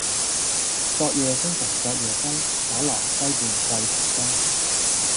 昨夜星辰昨夜風，畫樓西畔桂堂東。